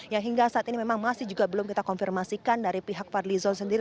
yang hingga saat ini memang masih juga belum kita konfirmasikan dari pihak fadlizon sendiri